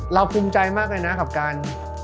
ภูมิใจมากเลยนะกับการ